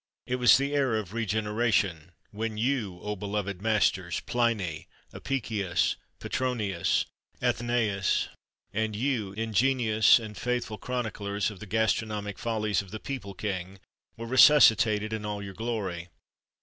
It was the era of regeneration, when you, O, beloved masters! Pliny, Apicius, Petronius, Athenæus, and you, ingenuous and faithful chroniclers of the gastronomic follies of the people king, were resuscitated in all your glory!